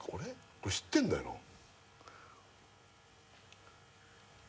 これ知ってんだよな誰？